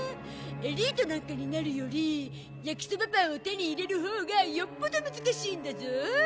エリートなんかになるより焼きそばパンを手に入れるほうがよっぽど難しいんだゾ。